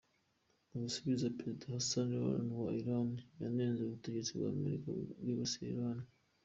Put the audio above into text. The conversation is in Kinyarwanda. Mu gusubiza, Perezida Hassan Rouhani wa Iran yanenze ubutegetsi bw'Amerika kwibasira Iran.